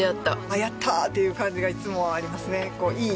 やった！っていう感じがいつもありますね。